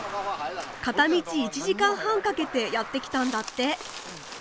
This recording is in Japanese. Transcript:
片道１時間半かけてやって来たんだって。